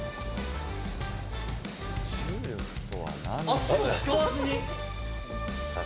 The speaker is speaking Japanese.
足を使わずに？